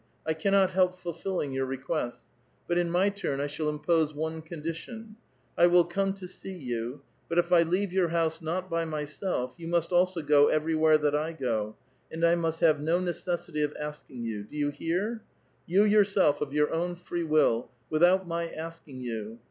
I cannot help fulfilling 3'our request. But in my turn I shall impose one condition ; I will come to see you ; but if 1 leave your house not by myself, you must also go everywhere that I go, *ricj I must have no necessity of asking you. Do you hear? You yourself, of j^our own free will, without my asking you.